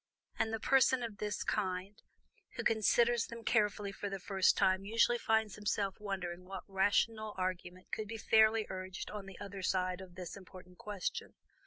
And the person of this kind who considers them carefully for the first time usually finds himself wondering what rational argument can be fairly urged on the other side of this important question.